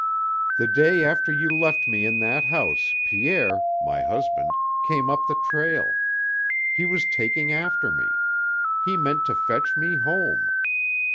"The day after you left me in that house, Pierre, my husband, came up the trail. He was taking after me. He meant to fetch me home.